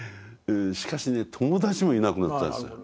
しかしね友達もいなくなったんですよ。